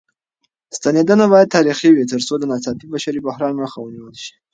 ستنېدنه بايد تدريجي وي تر څو د ناڅاپي بشري بحران مخه ونيول شي.